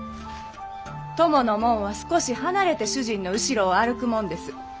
供の者は少し離れて主人の後ろを歩くもんです。